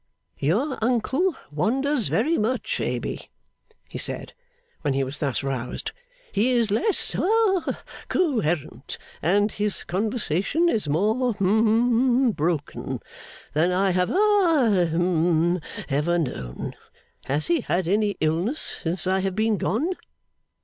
'Your uncle wanders very much, Amy,' he said, when he was thus roused. 'He is less ha coherent, and his conversation is more hum broken, than I have ha, hum ever known. Has he had any illness since I have been gone?